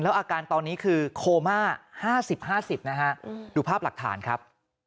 อาการตอนนี้คือโคม่า๕๐๕๐นะฮะดูภาพหลักฐานครับ